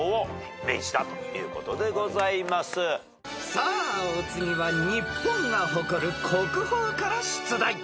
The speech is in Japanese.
［さあお次は日本が誇る国宝から出題］